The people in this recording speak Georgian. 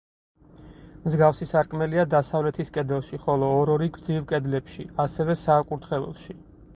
მსგავსი სარკმელია დასავლეთის კედელში, ხოლო ორ-ორი გრძივ კედლებში, ასევე საკურთხეველში.